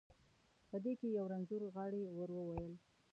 په دې کې یو رنځور غاړي، ورو وویل.